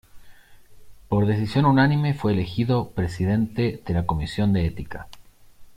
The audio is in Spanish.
Por decisión unánime, fue elegido presidente de la Comisión de Ética.